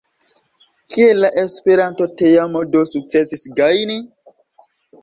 Kiel la Esperanto-teamo do sukcesis gajni?